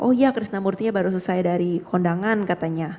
oh ya krisna murtinya baru selesai dari kondangan katanya